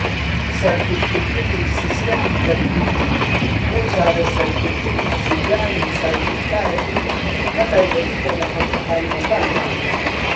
سەرکوتکردنی سیستەمی بەرگری بۆ چارەسەرکردنی زریانی سایتۆکاین، بەتایبەت لە نەخۆشه قایمەکاندا.